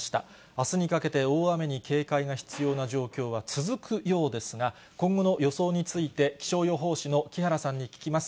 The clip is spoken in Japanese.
あすにかけて、大雨に警戒が必要な状況は続くようですが、今後の予想について、気象予報士の木原さんに聞きます。